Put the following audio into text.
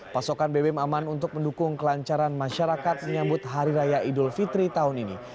pasokan bbm aman untuk mendukung kelancaran masyarakat menyambut hari raya idul fitri tahun ini